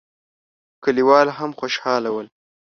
کليوال هم خوشاله ول.